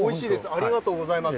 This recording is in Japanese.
ありがとうございます。